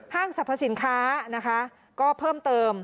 ห้างสรรพสินค้าก็เพิ่มเติม